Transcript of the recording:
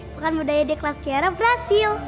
makan budaya di kelas tiara berhasil